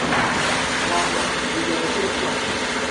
Laabira yi yɛda shiri pɔra!